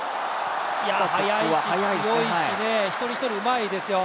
速いし、強いし、一人一人うまいですよ。